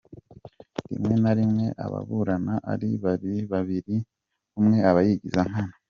Rimwe na rimwe ababurana ari babiri umwe aba yigiza nkana.